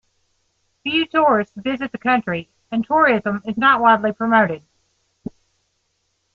Few tourists visit the country and tourism is not widely promoted.